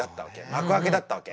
幕開けだったわけ。